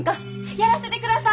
やらせてください！